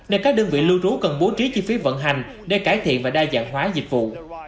nên các đơn vị lưu trú cần bố trí chi phí vận hành để cải thiện và đa dạng hóa dịch vụ